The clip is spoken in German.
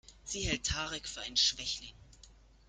Sie hält Tarek für einen Schwächling.